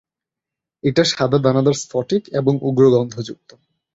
এটা সাদা দানাদার স্ফটিক এবং উগ্র গন্ধযুক্ত।